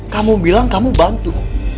kamu bilang kamu bantu